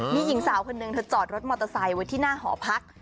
มีหญิงสาวคนนึงที่เตอร์อร์เตอร์ไซด์จอดรถออร์แภก